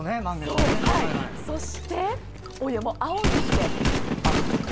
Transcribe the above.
そして、お湯も青にして。